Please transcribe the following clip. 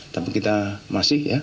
tapi kita masih ya